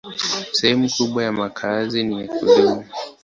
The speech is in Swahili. Sehemu kubwa ya makazi ni ya kudumu.